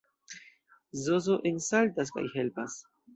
Zozo ensaltas kaj helpas.